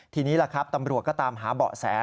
ทีนี้ล่ะครับตำรวจก็ตามหาเบาะแส